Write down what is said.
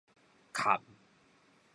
闞